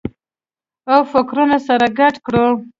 او فکرونه سره ګډ کړو